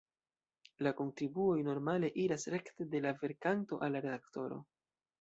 La kontribuoj normale iras rekte de la verkanto al la redaktoro.